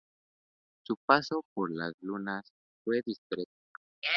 Su paso por Lanús fue discreto.